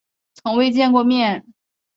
从未见过面